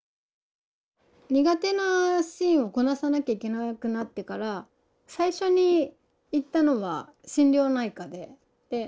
苦手なシーンをこなさなきゃいけなくなってから最初に行ったのは心療内科で。